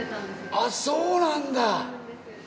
あっそうなんだ！